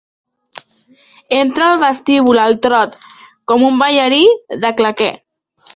Entra al vestíbul al trot, com un ballarí de claqué.